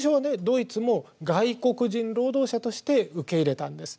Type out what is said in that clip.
ドイツも外国人労働者として受け入れたんです。